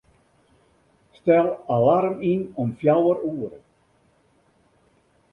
Stel alarm yn om fjouwer oere.